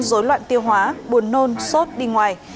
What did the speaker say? dối loạn tiêu hóa buồn nôn sốt đi ngoài